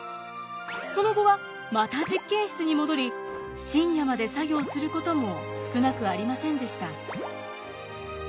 その後はまた実験室に戻り深夜まで作業することも少なくありませんでした。